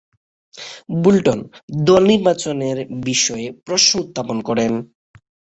Bolton দল নির্বাচনের বিষয়ে প্রশ্ন উত্থাপন করেন।